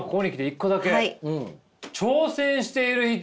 「挑戦している人」！